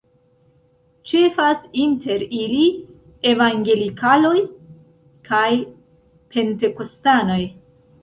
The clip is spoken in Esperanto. Ĉefas inter ili evangelikaloj kaj pentekostanoj.